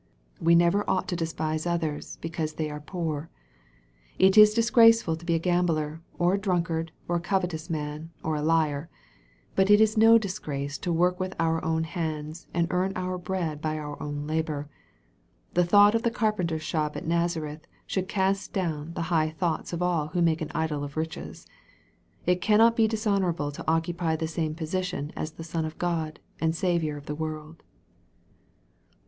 We never ought to despise others, because they are poor. It is disgraceful to be a gambler, or a drunkard, or a covetous man, or a liar ; but it is no disgrace to work with our own hands, and earn our bread by our own labor. The thought of the carpenter's shop at Nazareth, should cast down the high thoughts of all who make an idol of riches. It cannot be dishonorable to occupy the same position as the Son of God, and Saviour of the world.